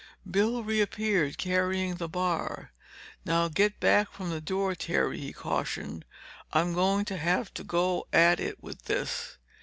Bill reappeared, carrying the bar. "Now get back from the door, Terry," he cautioned. "I'm going to have a go at it with this."